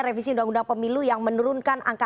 revisi undang undang pemilu yang menurunkan angka